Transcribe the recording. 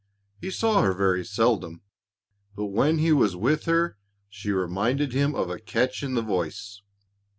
He saw her very seldom, but when he was with her she reminded him of a catch in the voice.